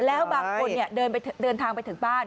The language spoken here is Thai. แล้วบางคนเดินทางไปถึงบ้าน